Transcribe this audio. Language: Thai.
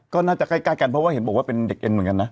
ก็น่าจะใกล้กันเพราะว่าเห็นบอกว่าเป็นเด็กเอ็นเหมือนกันนะ